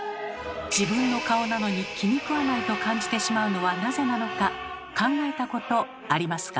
自分の顔なのに気にくわないと感じてしまうのはなぜなのか考えたことありますか？